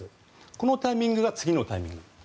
このタイミングが次のタイミング。